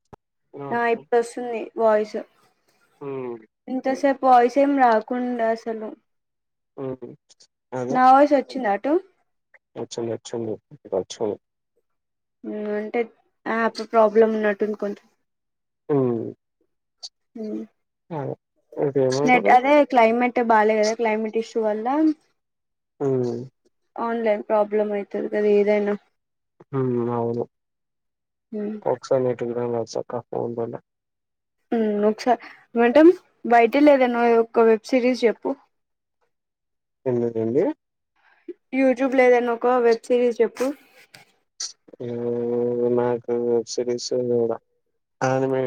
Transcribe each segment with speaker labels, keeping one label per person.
Speaker 1: [inaudible] ఆ
Speaker 2: ఓకే
Speaker 1: ఇప్పుడొస్తుంది వాయిస్
Speaker 2: హ్మ్.
Speaker 1: ఇంతసేపు వాయిస్ ఏం రా కుండ అసలు
Speaker 2: ఉమ్ హు
Speaker 1: నా వాయిస్ వచ్చిందా అటు
Speaker 2: వచ్చిందోచ్చింది ఇప్పుడు వచ్చింది
Speaker 1: ఉమ్ అంటే అప్ ప్రాబ్లమ్ ఉన్నట్టుంది కొంచెం
Speaker 2: ఉమ్
Speaker 1: ఉమ్ నైట్
Speaker 2: ఇదేమంటారు
Speaker 1: అదే క్లైమేట్ బాలే గదా క్లైమేట్ ఇషూ వళ్ళ
Speaker 2: ఆ
Speaker 1: అవునులే ప్రాబ్లమ్ అయితది గదా ఏదైనా
Speaker 2: ఉమ్ అవును
Speaker 1: ఉమ్.
Speaker 2: ఒకసారి [unintelligible]
Speaker 1: ఉమ్ ఒకసారి మేంటమ్ బయటి యేదన్నా ఒక వెబ్ సిరీస్ జెప్పు
Speaker 2: ఎందుకండి
Speaker 1: యూట్యూబ్ లేదని ఒక వెబ్ సిరీస్ చెప్పు
Speaker 2: ఆ నా వెబ్సీరీస్ అదిమే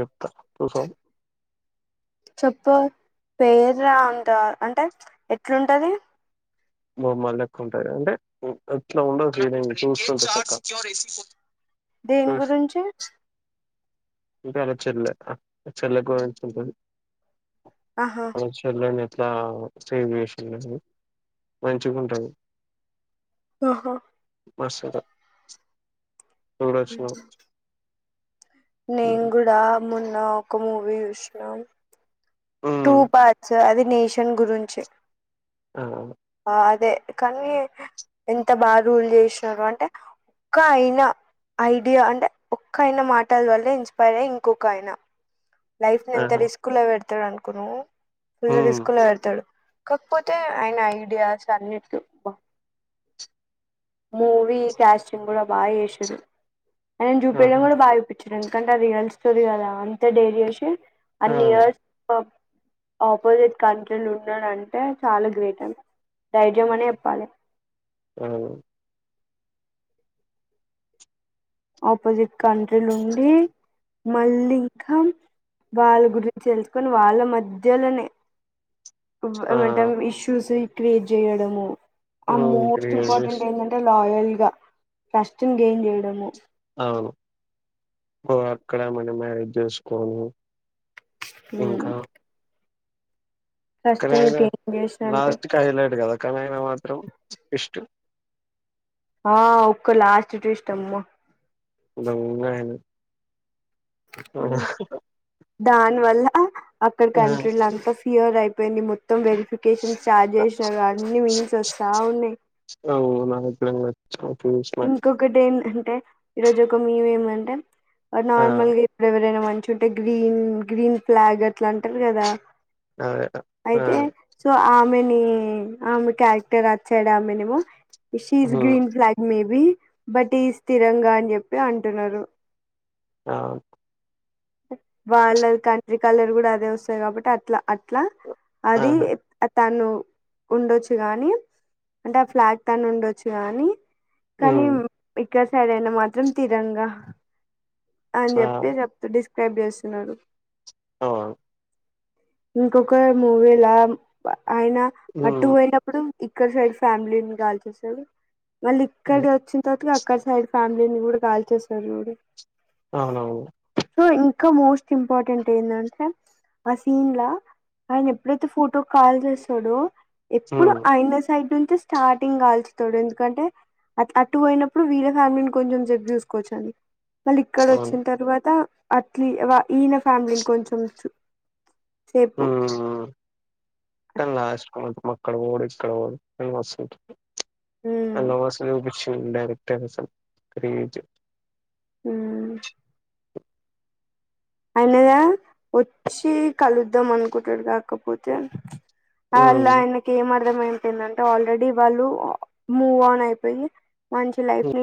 Speaker 1: చెప్పు పేరు అంట అంటే ఎట్లుంటది
Speaker 2: బొమ్మలు ెక్క ఉంటారు అంటే ఎట్లా ఉండో ఫీలింగ్ చూస్తు చక్క
Speaker 1: దేని గురించి
Speaker 2: ఇకా అలో చెల్ చెల్లంటంది
Speaker 1: ఆహా
Speaker 2: ఆచర్ను ఎట్లా సేవ్ చేసలేను మంచిగుంటది
Speaker 1: ఆహా
Speaker 2: మస అ
Speaker 1: నే కూడా మొన్న ఒక మూవీ చూసిన టూ
Speaker 2: హ్మ్
Speaker 1: పార్ట్స్ అది నేషన్ గురించి
Speaker 2: ఆ
Speaker 1: అదే కానీ ఎంత బాగా రూల్ చేసారు అంటే ఒక్క అయినా ఐడియా అంటే ఒక్కయినా మాటల వల్ల ఇన్స్పైర్ అయ్య ఇంకొక ఆయనా లైఫ్ ని ఎంత
Speaker 2: ఆహా
Speaker 1: రిస్క్ లో పెడతాడు అనుకును ఫుల్
Speaker 2: హ్మ్
Speaker 1: రిస్క్ లో పెడతాడు కాకపోతే ఆయన ఐడియాస్ అన్నింటి మూవీ క్యాస్టింగ్ కూడా బాగా చేసారు ఆయను చూపి వెళ్డం
Speaker 2: ఆహా
Speaker 1: కూడా బాగా చూపించాడు ఎందుకంటే ఆ రియల్ స్టోరీ కదా అంత డైరీ వసి అ
Speaker 2: ఆ
Speaker 1: నియర్స్ పజిట్ క ఉన్నాడుంటే చాలా గ్రేట్ ధైర్యం అని చెప్పాలి
Speaker 2: ఆ
Speaker 1: ఆపోజిట్ కంట్రీలుండి మళ్ళీ ఇంకా వాళ్ళ గురించి తెలుసుకొని వాళ్ళ మధ్యలోనే
Speaker 2: ఆ
Speaker 1: ఏమంటా ఇష్యూస్ క్రియేట్ చేయడము ఆ
Speaker 2: హ్మ్ త్రీ
Speaker 1: మోస్ట్
Speaker 2: ఇయర్స్
Speaker 1: ఇంపార్టెంట్ ఏంటంటే లాయల్ గా ఫస్ట్ని గెయిన్ చేయడము
Speaker 2: అను అక్కడ ఏమనా మ్యారేజ్ చేసుకోను
Speaker 1: హ
Speaker 2: కానీ
Speaker 1: గెయిన్ చేసినంక
Speaker 2: సమ్లాస్ట్ క హైలైట్ కదా కనన మాత్రం స్ ఇష్టు
Speaker 1: ఆ ఒక్క లాస్ట్ విస్ట్ అమ్మ
Speaker 2: దొంగ ఆయన
Speaker 1: దాని వల్ల అక్కడ కంట్రీలంతా ఫిూర్ అయిపో మొత్తం వెరిఫికేషన్ చార్జ్ చేసిన కాని మీన్స్ వస్తా ఉన్నాయి
Speaker 2: చూసిన
Speaker 1: ఇంకొకటి ఏం అంటే ఈరోజు ఒక మవ ఏమంటే
Speaker 2: ఆ
Speaker 1: నార్మల్గా ఎప్పుడ ఎవరైనా మంచిగా ఉంటే గ్రీన్ గ్రీన్ ఫ్లాగ్ అట్లా అంటారు కదా
Speaker 2: అదే ఆ
Speaker 1: అయితే సో ఆమెేను కారక్ర్ వచ్చా
Speaker 2: హ్మ్
Speaker 1: గ్రన్ మేబి బటి స్థిరంగా అని చెప్పి అంటున్నారు
Speaker 2: అ
Speaker 1: వాళ్ళ కండ్రి కలర్ కూడా అదే వస్తాయి కాబట్టి అట్లా అట్లా అది
Speaker 2: ఆహా
Speaker 1: తను ఉండొచ్చు గాని అంటే ఆ ఫ్లాగ టన్ ఉండొచ్చు గానీ కానీ
Speaker 2: హ్మ్
Speaker 1: ఇక్కడ సైడైనా మాత్రం తీరంగా అని చెప్పి
Speaker 2: అవును
Speaker 1: చెప్తూ డిస్క్రైబ్ చేస్తున్నాడు
Speaker 2: ఆ
Speaker 1: ఇంకొక మూవీలా ఆయన అటు
Speaker 2: హ్మ్
Speaker 1: పోయినప్పుడు ఇక్కడ సైడ్ ఫ్యామిలీని కాల్చసాడు మళ్ళీ ఇక్కడ వచ్చిన తర్వాత ఒక్క సైడ్ ఫ్యామిలీని గుడ కాల్చేస్తడు జూడు.
Speaker 2: అవునవును
Speaker 1: ఇంకా మోస్ట్ ఇంపార్టెంట్ ఏందంటే ఆ సీన్ ల, ఆయనెప్పుడైతే ఫోటో కాల్చేస్తడు, ఎప్పుడు
Speaker 2: హ్మ్
Speaker 1: అయిన సైడ్ నుంచి స్టార్టింగ్ కాల్చుతడు ఎందుకంటే అ అటు వొయినప్పుడు వీడే ఫ్యామిలీని కొంచెం సేపు చూసుకోవచ్చని. మళ్ళ ఇక్కడ
Speaker 2: అవును
Speaker 1: వచ్చిన తర్వాత, అట్లీ వ ఈయన ఫ్యామిలీని కొంచం
Speaker 2: ఉమ్ కని లాస్ట్ [unintelligible] అక్కడవోవుడు ఇక్కడవోవుడు, కానీ మస్తు ఉంటుండే,
Speaker 1: ఉమ్
Speaker 2: నాకు నమస్తే చూపి ఉమ్ డైరెక్ట్ [unintelligible] క్రియేటివ్
Speaker 1: హ అయినద వచ్చి కలుద్దాం అనుకుంటాడు కాకపోతే అల్లా ఐనకి మొత్ ఫిరమైపోయిందంట ఆల్రెడీ వాళ్ళు మూ ఆన్ అయిపోయి, మంచి లైఫ్ ని